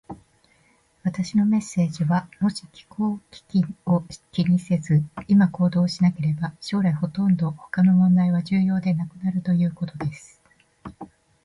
私のメッセージは、もし気候危機を気にせず、今行動しなければ、将来ほとんど他の問題は重要ではなくなるということです。